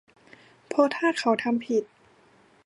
เพราะถ้าเขาทำผิด